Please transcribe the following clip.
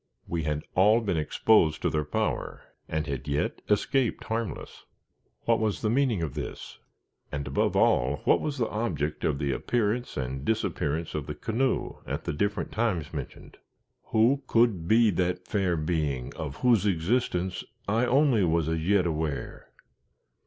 We had all been exposed to their power, and had yet escaped harmless. What was the meaning of this? And, above all, what was the object of the appearance and disappearance of the canoe at the different times mentioned? Who could be that fair being of whose existence I only was as yet aware?